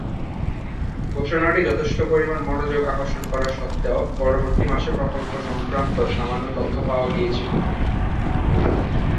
ঘোষণাটি যথেষ্ট পরিমাণ মনোযোগ আকর্ষণ করা সত্ত্বেও পরবর্তী মাসে প্রকল্প সংক্রান্ত সামান্য তথ্য পাওয়া গিয়েছিল।